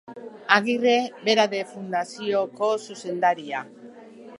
Agirre bera de fundazioko zuzendaria.